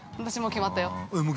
◆決まった。